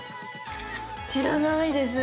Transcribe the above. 知らないです。ね。